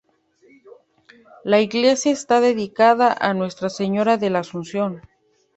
La iglesia está dedicada a Nuestra Señora de la Asunción.